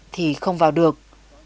thì không vào được